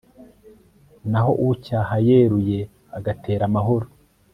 naho ucyaha yeruye agatera amahoro